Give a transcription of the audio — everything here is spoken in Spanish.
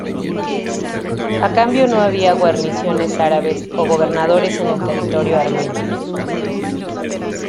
A cambio no había guarniciones árabes o gobernadores en el territorio armenio.